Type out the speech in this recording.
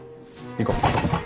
行こう。